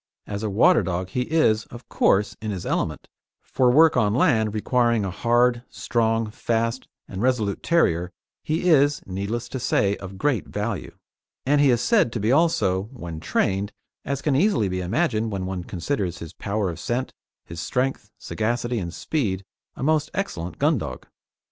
As a water dog he is, of course, in his element; for work on land requiring a hard, strong, fast and resolute terrier he is, needless to say, of great value; and he is said to be also, when trained as can easily be imagined when one considers his power of scent, his strength, sagacity, and speed a most excellent gun dog.